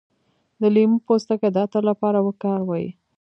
د لیمو پوستکی د عطر لپاره وکاروئ